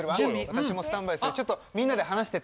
私もスタンバイする。